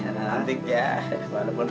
tapi yang bisa merubah keturunan